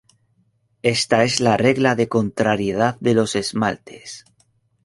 Esta es la "regla de contrariedad de los esmaltes".